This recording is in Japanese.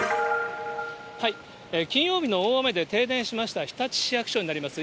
金曜日の大雨で停電しました、日立市役所になります。